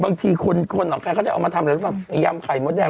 บางทีคุณค่ะก็จะเอามาทำรวมยำไข่มดแดง